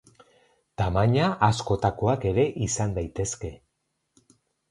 Tamaina askotakoak ere izan daitezke.